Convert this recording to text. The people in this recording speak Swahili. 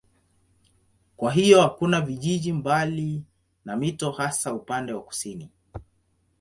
Kwa hiyo hakuna vijiji mbali na mito hasa upande wa kusini.